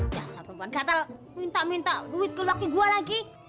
jasar perempuan katel minta minta duit ke laki laki gua lagi